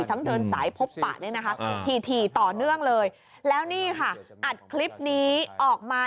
ทั้งเดินสายพบปะเนี่ยนะคะถี่ต่อเนื่องเลยแล้วนี่ค่ะอัดคลิปนี้ออกมา